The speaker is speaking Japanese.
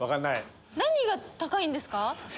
何が高いんですか？